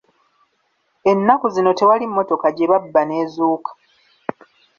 Ennaku zino tewali mmotoka gye babba n'ezuuka.